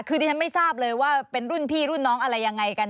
คือดิฉันไม่ทราบเลยว่าเป็นรุ่นพี่รุ่นน้องอะไรยังไงกัน